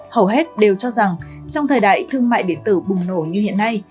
hầu hết đều cho rằng trong thời đại thương mại điện tử bùng nổ như hiện nay